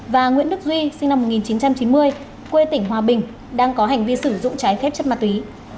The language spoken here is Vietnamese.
và nguyễn đức duy sinh năm một nghìn chín trăm chín mươi quê tỉnh hòa bình đang có hành vi sử dụng trái phép chất ma túy